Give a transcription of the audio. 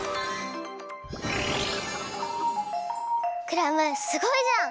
クラムすごいじゃん！